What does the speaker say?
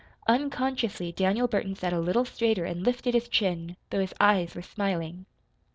Unconsciously Daniel Burton sat a little straighter and lifted his chin though his eyes were smiling.